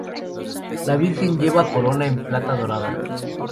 La Virgen lleva corona en plata dorada.